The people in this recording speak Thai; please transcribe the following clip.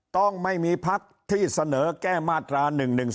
ต้องไม่มีพักที่เสนอแก้มาตรา๑๑๒